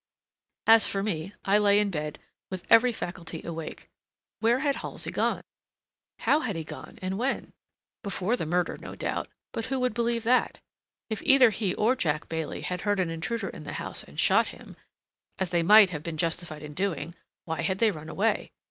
As for me, I lay in bed, with every faculty awake. Where had Halsey gone? How had he gone, and when? Before the murder, no doubt, but who would believe that? If either he or Jack Bailey had heard an intruder in the house and shot him—as they might have been justified in doing—why had they run away?